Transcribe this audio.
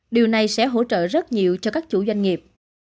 điều này sẽ hỗ trợ rất nhiều cho các chủ doanh nghiệp